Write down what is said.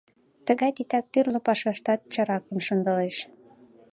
Тыгай титак тӱрлӧ пашаштат чаракым шындылеш.